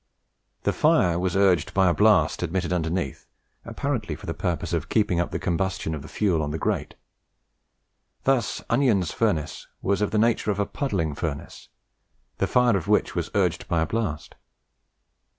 The fire was urged by a blast admitted underneath, apparently for the purpose of keeping up the combustion of the fuel on the grate. Thus Onions' furnace was of the nature of a puddling furnace, the fire of which was urged by a blast.